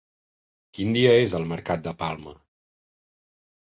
Quin dia és el mercat de Palma?